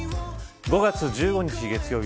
５月１５日月曜日